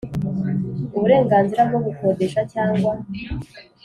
Uburenganzira bwo gukodesha cyangwa